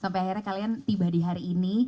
sampai akhirnya kalian tiba di hari ini